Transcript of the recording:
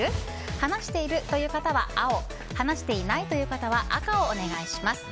話しているという方は青話していないという方は赤をお願いします。